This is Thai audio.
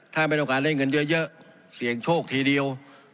ถ้ามันเป็นโอกาสได้เงินเยอะเสียงโชคทีเดียว